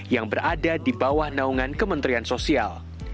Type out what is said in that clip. yang berada di bawah naungan kementerian sosial